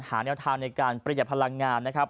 หาแนวทางในการเปลี่ยนพลังงานนะครับ